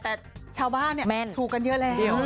แต่ชาวบ้านถูกกันเยอะแล้ว